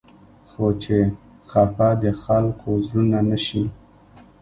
خو چې خفه د خلقو زړونه نه شي